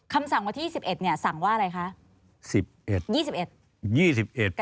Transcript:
คำสั่งวันที่๒๑เนี่ยสั่งว่าอะไรคะ